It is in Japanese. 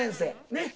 ねっ」